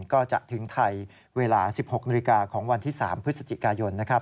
ก็จะถึงไทยเวลา๑๖นของวันที่๓พฤศจิกายนนะครับ